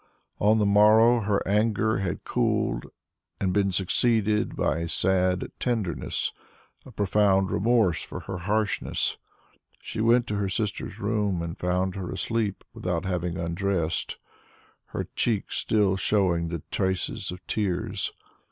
On the morrow her anger had cooled and been succeeded by a sad tenderness, a profound remorse for her harshness. She went to her sister's room and found her asleep without having undressed, her cheeks still showing the traces of tears.